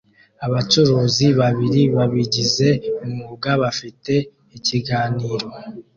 Abacuruzi babiri babigize umwuga bafite ikiganiro